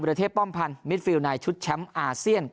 ประเทศป้อมพันธ์มิดฟิลในชุดแชมป์อาเซียน